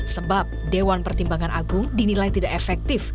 sebab dewan pertimbangan agung dinilai tidak efektif